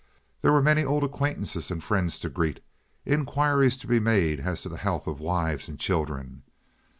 There were many old acquaintances and friends to greet, inquiries to be made as to the health of wives and children.